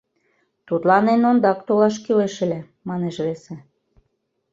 — Тудлан эн ондак толаш кӱлеш ыле, — манеш весе.